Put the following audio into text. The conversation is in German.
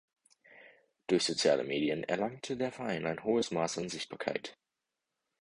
Durch soziale Medien erlangte der Verein ein hohes Maß an Sichtbarkeit.